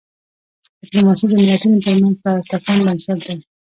ډیپلوماسي د ملتونو ترمنځ د تفاهم بنسټ دی.